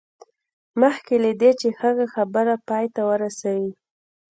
مخکې له دې چې هغه خبره پای ته ورسوي